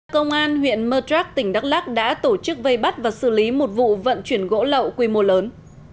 công an huyện mơ trắc tỉnh đắk lắc đã tổ chức vây bắt và xử lý một vụ vận chuyển gỗ lậu quy mô lớn